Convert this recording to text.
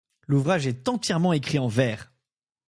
L'ouvrage est entièrement écrit en vers.